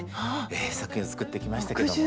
ええ作品を作ってきましたけども。